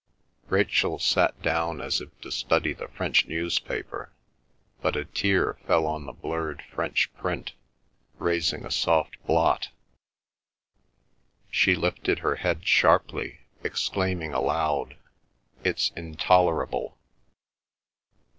Rachel sat down, as if to study the French newspaper, but a tear fell on the blurred French print, raising a soft blot. She lifted her head sharply, exclaiming aloud, "It's intolerable!"